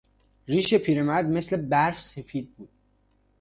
ریش پیرمرد مثل برف سفید بود.